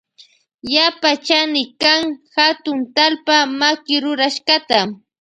Yapa chanikan hatun talpa makirurashkata.